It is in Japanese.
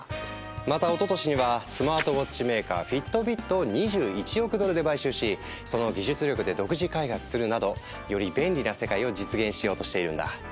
またおととしにはスマートウォッチメーカーＦｉｔｂｉｔを２１億ドルで買収しその技術力で独自開発するなどより便利な世界を実現しようとしているんだ。